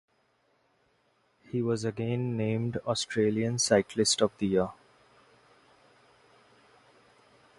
He was again named Australian Cyclist of the Year.